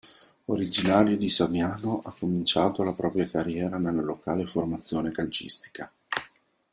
Originario di Saviano, ha cominciato la propria carriera nella locale formazione calcistica.